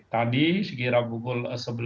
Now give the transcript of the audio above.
tadi sekitar pukul sebelas tiga puluh